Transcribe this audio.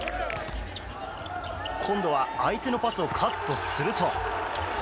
今度は相手のパスをカットすると。